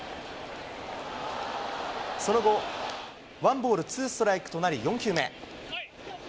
その後、ワンボールツーストライクとなり、４球目。